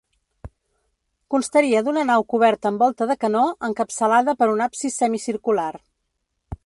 Constaria d'una nau coberta amb volta de canó, encapçalada per un absis semicircular.